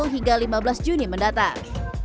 sepuluh hingga lima belas juni mendatang